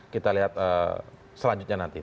kita lihat selanjutnya nanti